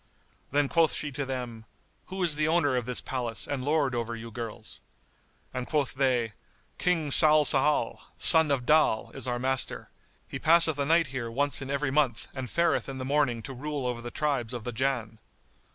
Then quoth she to them, "Who is the owner of this palace and lord over you girls?" and quoth they, "King Salsál, son of Dal, is our master; he passeth a night here once in every month and fareth in the morning to rule over the tribes of the Jann."